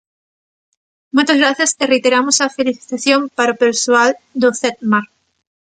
Moitas grazas e reiteramos a felicitación para o persoal do Cetmar.